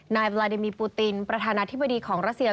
นายบลาเดมีปูตินประธานาธิบดีของรัสเซีย